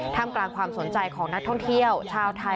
ทำกลางความสนใจของนักท่องเที่ยวชาวไทย